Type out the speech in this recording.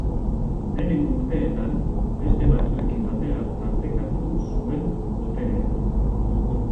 Lehenengo urteetan, beste batzuekin batera partekatu zuen boterea.